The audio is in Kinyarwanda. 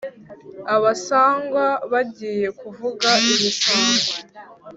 Abasangwa bagiye kuvuga imisango